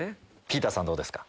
ピーターさんどうですか？